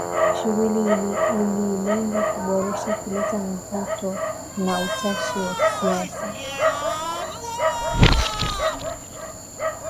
Shughuli ililenga kuboresha kuleta mvuto na utashi wa kisiasa